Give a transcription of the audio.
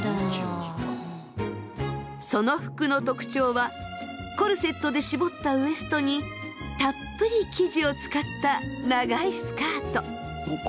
その服の特徴はコルセットで絞ったウエストにたっぷり生地を使った長いスカート。